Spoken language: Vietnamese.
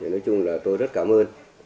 nói chung là tôi rất cảm ơn